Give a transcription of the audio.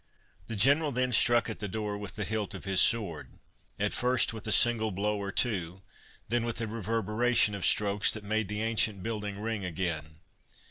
The General then struck at the door with the hilt of his sword—at first with a single blow or two, then with a reverberation of strokes that made the ancient building ring again.